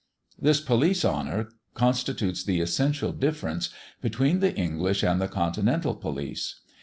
This police honour constitutes the essential difference between the English and the continental police.